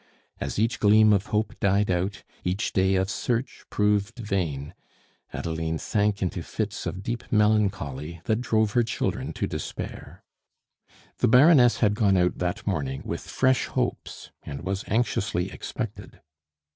As each gleam of hope died out, each day of search proved vain, Adeline sank into fits of deep melancholy that drove her children to despair. The Baroness had gone out that morning with fresh hopes, and was anxiously expected.